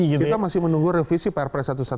ya kita masih menunggu revisi prp satu ratus dua belas